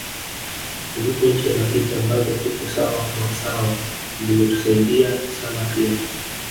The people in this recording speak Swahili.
Zipo Nchi rafiki ambazo tupo sawa kwa sawa zimetusaidia sana pia